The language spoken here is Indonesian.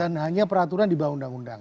dan hanya peraturan dibawah undang undang